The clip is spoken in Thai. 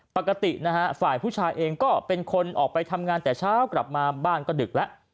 ปกตินะฮะฝ่ายผู้ชายเองก็เป็นคนออกไปทำงานแต่เช้ากลับมาบ้านก็ดึกแล้ว